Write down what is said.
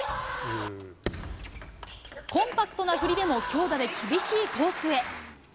コンパクトな振りでも、強打で厳しいコースへ。